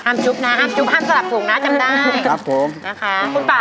ห้ามจุ๊บนะห้ามจุ๊บห้ามสลับสูงนะจำได้